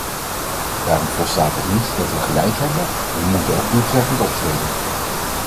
Daarom volstaat het niet dat we gelijk hebben, we moeten ook doeltreffend optreden.